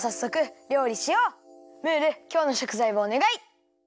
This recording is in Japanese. ムールきょうのしょくざいをおねがい。